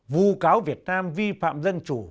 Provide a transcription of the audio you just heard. vụ cáo việt nam vi phạm dân chủ